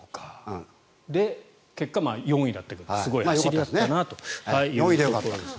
で、結果、４位だったとすごい走りだったということです。